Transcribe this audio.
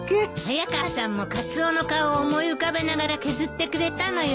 早川さんもカツオの顔を思い浮かべながら削ってくれたのよ。